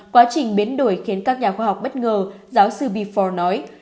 quá trình biến đổi khiến các nhà khoa học bất ngờ giáo sư befo nói